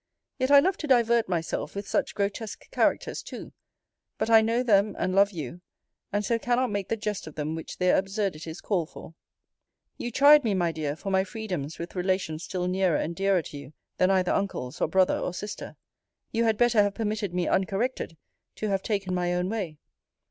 Yet I love to divert myself with such grotesque characters too. But I know them and love you; and so cannot make the jest of them which their absurdities call for. You chide me, my dear,* for my freedoms with relations still nearer and dearer to you, than either uncles or brother or sister. You had better have permitted me (uncorrected) to have taken my own way.